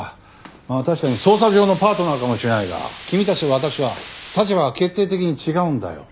まあ確かに捜査上のパートナーかもしれないが君たちと私は立場が決定的に違うんだよ。